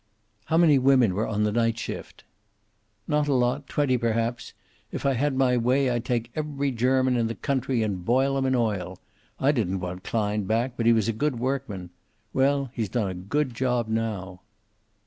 "How many women were on the night shift?" "Not a lot. Twenty, perhaps. If I had my way I'd take every German in the country and boil 'em in oil. I didn't want Klein back, but he was a good workman. Well, he's done a good job now."